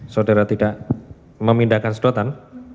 saudara tidak memindahkan sedotan